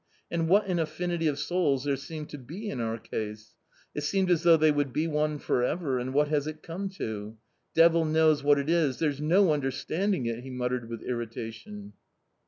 and what an a ffinity of souj s there seemed to be in our case ! it seemed as L tfiough they would be one for ever, and what has it come to ? Devil knows what it is, there's no under standing it !" he muttered with irritation.